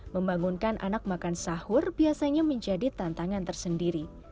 membangunkan anak makan sahur biasanya menjadi tantangan tersendiri